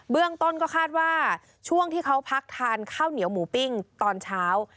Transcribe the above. เรื่องต้นก็คาดว่าช่วงที่เขาพักทานข้าวเหนียวหมูปิ้งตอนเช้า